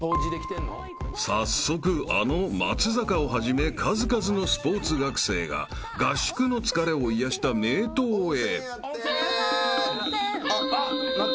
［早速あの松坂をはじめ数々のスポーツ学生が合宿の疲れを癒やした名湯へ］